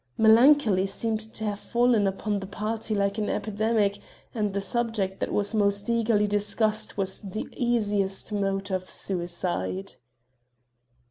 Melancholy seemed to have fallen upon the party like an epidemic, and the subject that was most eagerly discussed was the easiest mode of suicide.